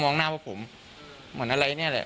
หน้าว่าผมเหมือนอะไรเนี่ยแหละ